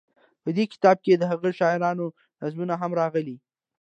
په دې کتاب کې دهغه شاعرانو نظمونه هم راغلي.